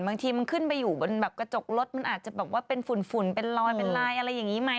บางทีมันขึ้นไปอยู่บนแบบกระจกรถมันอาจจะแบบว่าเป็นฝุ่นเป็นลอยเป็นลายอะไรอย่างนี้ไหม